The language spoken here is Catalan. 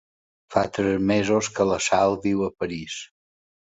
Fa tres mesos que la Sal viu a París.